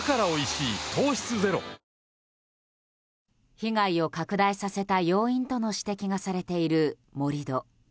被害を拡大させた要因との指摘がされている盛り土。